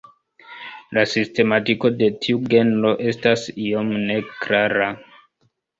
La sistematiko de tiu genro estas iome neklara.